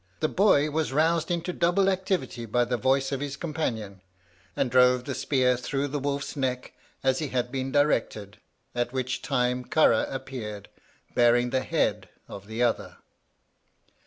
The boy was roused into double activity by the voice of his companion, and drove the spear through the wolf's neck as he had been directed, at which time Carragh appeared, bearing the head of the other.